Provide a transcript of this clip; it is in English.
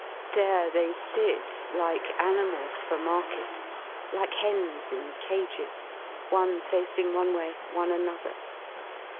There they sit like animals for market, like hens in cages, one ^^ facing one way, one another.